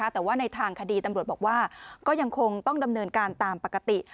แต่ว่าในทางคดีตำรวจบอกว่าก็ยังคงต้องดำเนินการตามปกติ